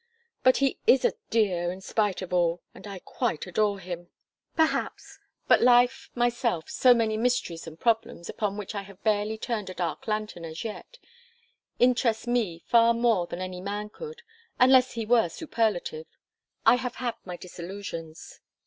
But he is a dear, in spite of all, and I quite adore him." "Perhaps; but life, myself, so many mysteries and problems, upon which I have barely turned a dark lantern as yet, interest me far more than any man could, unless he were superlative. I have had my disillusions."